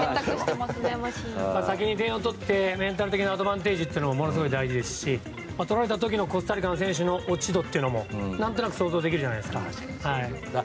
先に点を取ってのメンタル的なアドバンテージはものすごい大事だし取られた時のコスタリカの選手の落ち度というのも、何となく想像できるじゃないですか。